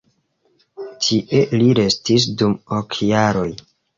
Tie li restis dum ok jaroj.